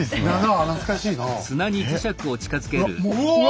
うわ！